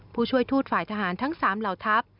ผู้ช่วยทูตฝ่ายทหารทั้ง๓เหล่าทัพ